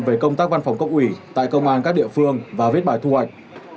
về công tác văn phòng cốc ủy tại công an các địa phương và viết bài thu hoạch